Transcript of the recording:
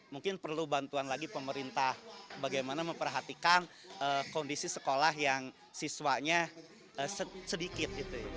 mungkin perlu bantuan lagi pemerintah bagaimana memperhatikan kondisi sekolah yang siswanya sedikit